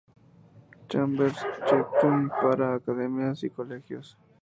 Chambers-Ketchum para Academias y Colegios.